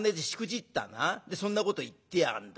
でそんなこと言ってやがるんだ。